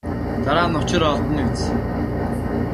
Дараа нь учир нь олдоно биз.